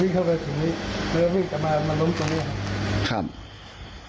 วิ่งเข้าไปตรงนี้แล้วก็วิ่งกลับมามาล้มตรงนี้ครับครับ